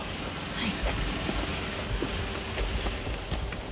はい。